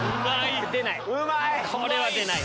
これは出ない。